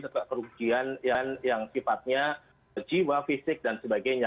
atau kerugian yang sifatnya jiwa fisik dan sebagainya